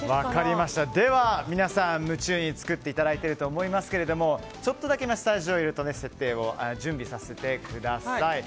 では皆さん、夢中に作っていただいていると思いますがちょっとだけスタジオの設定を準備させてください。